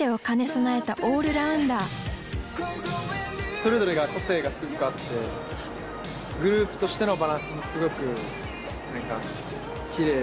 それぞれが個性がすごくあってグループとしてのバランスもすごく何かきれいで。